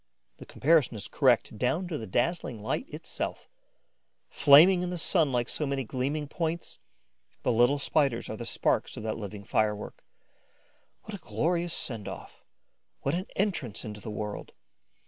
The comparison is correct down to the dazzling light itself. Flaming in the sun like so many gleaming points, the little Spiders are the sparks of that living firework. What a glorious send off! What an entrance into the world!